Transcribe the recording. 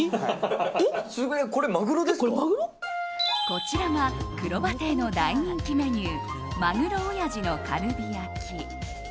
こちらがくろば亭の大人気メニューまぐろ親父のカルビ焼き。